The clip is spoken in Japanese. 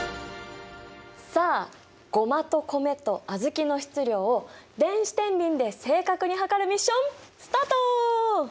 さあゴマと米と小豆の質量を電子てんびんで正確に量るミッションスタート！